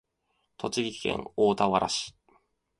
栃木県大田原市